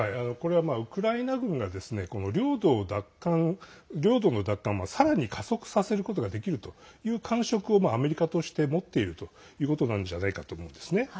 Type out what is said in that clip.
ウクライナ軍が領土の奪還をさらに加速させることができるという感触をアメリカとして持っているということなんじゃないかと思うんですね。